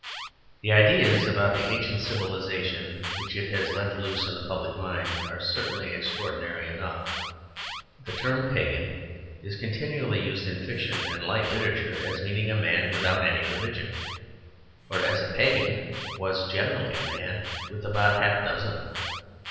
The ideas about the ancient civilization which it has left loose in the public mind are certainly extraordinary enough. The term "pagan" is continually used in fiction and light literature as meaning a man without any religion, whereas a pagan was generally a man with about half a dozen.